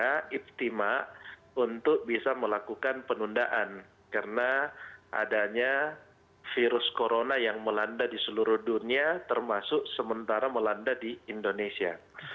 kita ibtima untuk bisa melakukan penundaan karena adanya virus corona yang melanda di seluruh dunia termasuk sementara melanda di indonesia